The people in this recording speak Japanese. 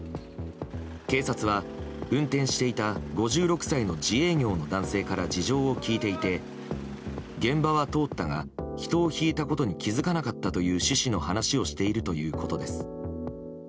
警察は運転していた５６歳の自営業の男性から事情を聴いていて現場は通ったが人をひいたことに気づかなかったという趣旨の話をしているということです。